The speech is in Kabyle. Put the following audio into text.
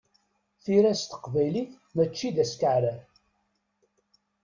Tira s teqbaylit, mačči d askeɛrer.